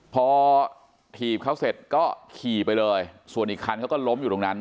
พอถีบเขาเสร็จก็ขี่ไปเลยส่วนอีกคันเขาก็ล้มอยู่ตรงนั้น